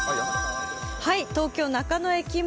東京・中野駅前